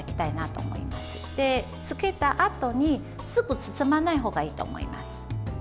つけたあとにすぐ包まない方がいいと思います。